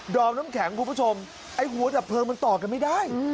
อมน้ำแข็งคุณผู้ชมไอ้หัวดับเพลิงมันต่อกันไม่ได้